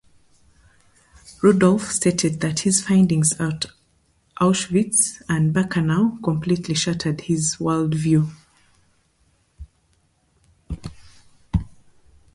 Rudolf stated that his findings at Auschwitz and Birkenau "completely shattered his world view".